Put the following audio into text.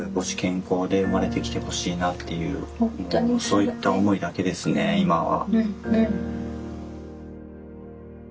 そういった思いだけですね今は。